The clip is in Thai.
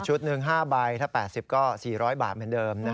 หนึ่ง๕ใบถ้า๘๐ก็๔๐๐บาทเหมือนเดิม